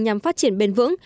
nhằm phát triển bền vững